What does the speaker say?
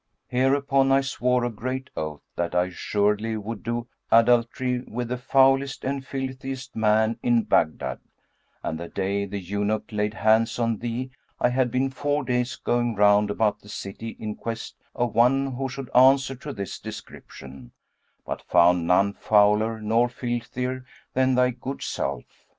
Hereupon, I swore a great oath that I assuredly would do adultery with the foulest and filthiest man in Baghdad; and the day the eunuch laid hands on thee, I had been four days going round about the city in quest of one who should answer to this description, but found none fouler nor filthier than thy good self.